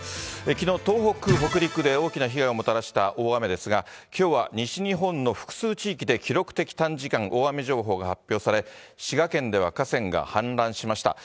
きのう、東北、北陸で大きな被害をもたらした大雨ですが、きょうは西日本の複数地域で記録的短時間大雨情報が発表され、滋賀県では河川が氾濫しました。